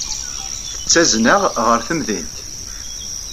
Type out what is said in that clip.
Tettazen-aɣ ɣer temdint.